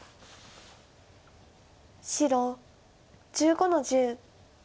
白１５の十。